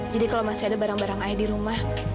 jadi kalau masih ada barang barang ayah di rumah